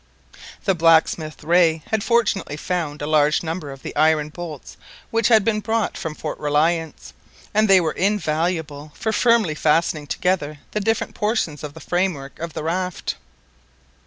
The blacksmith, Rae, had fortunately found a large number of the iron bolts which had been brought from Fort Reliance, and they were invaluable for firmly fastening together the different portions of the framework of the raft.